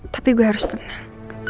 tapi gue harus tenang